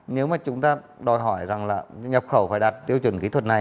nếu mà chúng ta đòi hỏi rằng là nhập khẩu phải đạt tiêu chuẩn kỹ thuật này